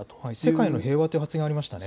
世界の平和という発言がありましたね。